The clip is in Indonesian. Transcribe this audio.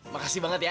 makasih banget ya